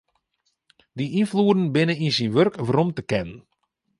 Dy ynfloeden binne yn syn wurk werom te kennen.